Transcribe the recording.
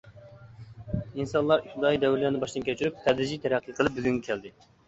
ئىنسانلار ئىپتىدائىي دەۋرلەرنى باشتىن كەچۈرۈپ، تەدرىجىي تەرەققىي قىلىپ بۈگۈنگە كەلدى.